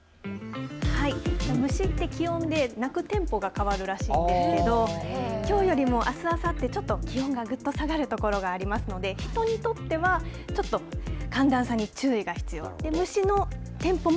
はい、むしって気温で鳴くテンポが変わるらしいのですけどきょうよりもあす、あさってちょっと気温がぐっと下がるところがありますので人によっては寒暖差に注意が必要。